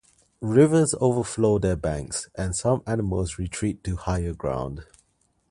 Rivers overflow their banks, and some animals retreat to higher ground.